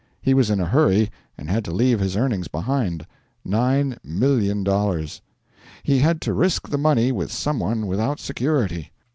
He was in a hurry, and had to leave his earnings behind $9,000,000. He had to risk the money with some one without security.